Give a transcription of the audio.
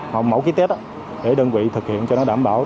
hoặc mẫu kích test để đơn vị thực hiện cho nó đảm bảo